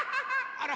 あら。